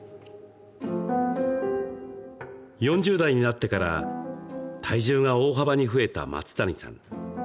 ４０代になってから体重が大幅に増えた松谷さん。